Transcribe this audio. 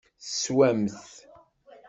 Teswamt.